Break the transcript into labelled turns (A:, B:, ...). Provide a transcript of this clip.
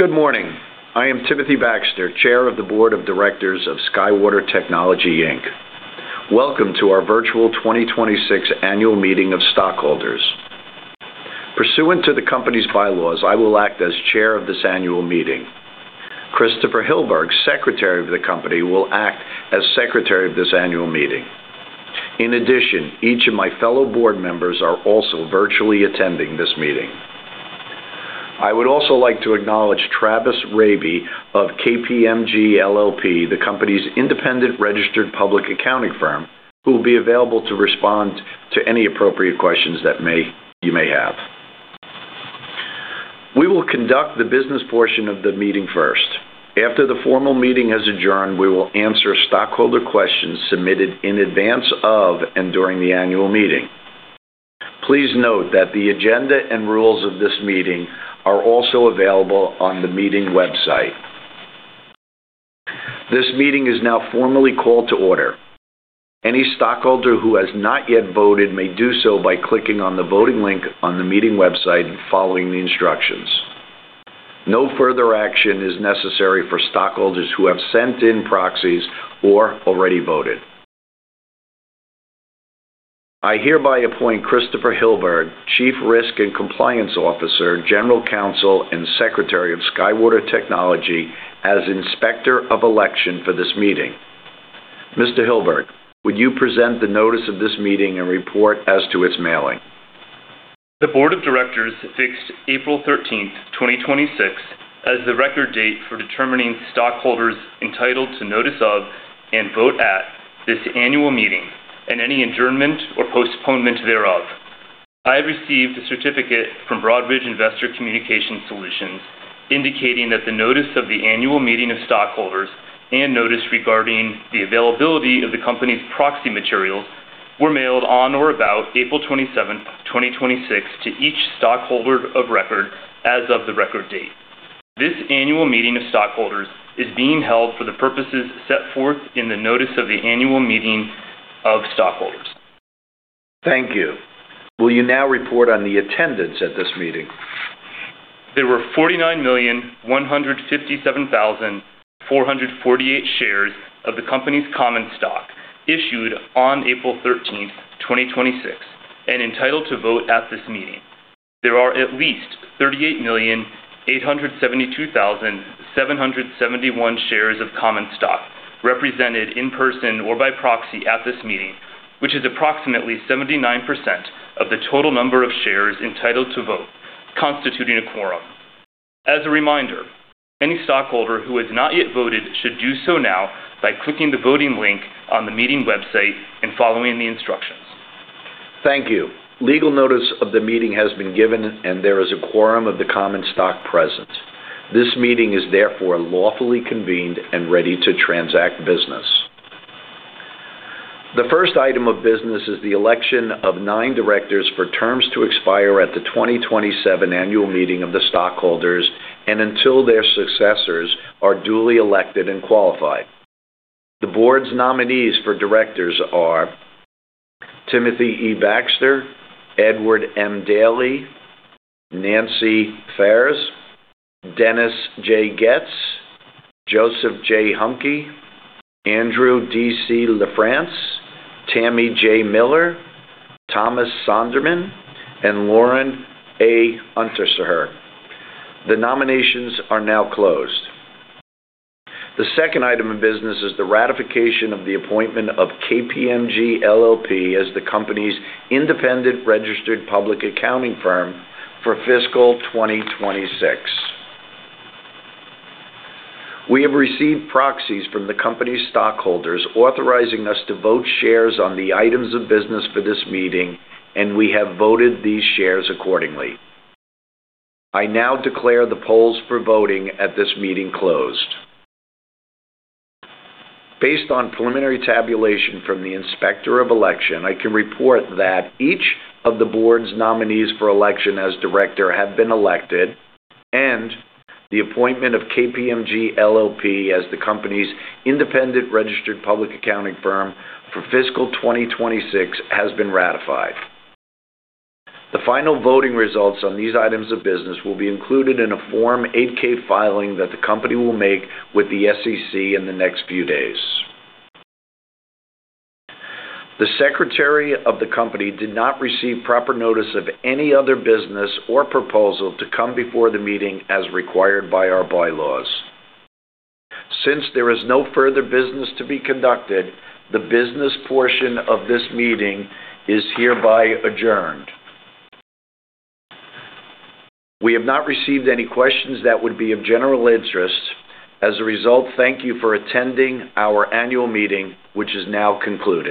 A: Good morning. I am Timothy Baxter, Chair of the Board of Directors of SkyWater Technology, Inc. Welcome to our virtual 2026 Annual Meeting of Stockholders. Pursuant to the company's bylaws, I will act as chair of this annual meeting. Christopher Hilberg, Secretary of the company, will act as secretary of this annual meeting. In addition, each of my fellow board members are also virtually attending this meeting. I would also like to acknowledge Travis Raby of KPMG LLP, the company's independent registered public accounting firm, who will be available to respond to any appropriate questions that you may have. We will conduct the business portion of the meeting first. After the formal meeting has adjourned, we will answer stockholder questions submitted in advance of and during the annual meeting. Please note that the agenda and rules of this meeting are also available on the meeting website. This meeting is now formally called to order. Any stockholder who has not yet voted may do so by clicking on the voting link on the meeting website and following the instructions. No further action is necessary for stockholders who have sent in proxies or already voted. I hereby appoint Christopher Hilberg, Chief Risk and Compliance Officer, General Counsel, and Secretary of SkyWater Technology, as Inspector of Election for this meeting. Mr. Hilberg, would you present the notice of this meeting and report as to its mailing?
B: The Board of Directors fixed April 13th, 2026, as the record date for determining stockholders entitled to notice of and vote at this annual meeting and any adjournment or postponement thereof. I have received a certificate from Broadridge Investor Communication Solutions indicating that the notice of the annual meeting of stockholders and notice regarding the availability of the company's proxy materials were mailed on or about April 27th, 2026, to each stockholder of record as of the record date. This annual meeting of stockholders is being held for the purposes set forth in the notice of the annual meeting of stockholders.
A: Thank you. Will you now report on the attendance at this meeting?
B: There were 49,157,448 shares of the company's common stock issued on April 13th, 2026, and entitled to vote at this meeting. There are at least 38,872,771 shares of common stock represented in person or by proxy at this meeting, which is approximately 79% of the total number of shares entitled to vote, constituting a quorum. As a reminder, any stockholder who has not yet voted should do so now by clicking the voting link on the meeting website and following the instructions.
A: Thank you. Legal notice of the meeting has been given and there is a quorum of the common stock present. This meeting is therefore lawfully convened and ready to transact business. The first item of business is the election of nine directors for terms to expire at the 2027 Annual Meeting of the Stockholders and until their successors are duly elected and qualified. The board's nominees for directors are Timothy E. Baxter, Edward M. Daly, Nancy Fares, Dennis J. Goetz, Joseph J. Humke, Andrew D.C. LaFrenz, Tammy J. Miller, Thomas Sonderman, and Loren A. Unterseher. The nominations are now closed. The second item of business is the ratification of the appointment of KPMG LLP as the company's independent registered public accounting firm for fiscal 2026. We have received proxies from the company's stockholders authorizing us to vote shares on the items of business for this meeting, and we have voted these shares accordingly. I now declare the polls for voting at this meeting closed. Based on preliminary tabulation from the Inspector of Election, I can report that each of the board's nominees for election as director have been elected and the appointment of KPMG LLP as the company's independent registered public accounting firm for fiscal 2026 has been ratified. The final voting results on these items of business will be included in a Form 8-K filing that the company will make with the SEC in the next few days. The Secretary of the company did not receive proper notice of any other business or proposal to come before the meeting as required by our bylaws. Since there is no further business to be conducted, the business portion of this meeting is hereby adjourned. We have not received any questions that would be of general interest. As a result, thank you for attending our annual meeting, which is now concluded.